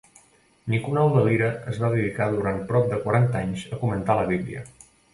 Nicolau de Lira es va dedicar durant prop de quaranta anys a comentar la Bíblia.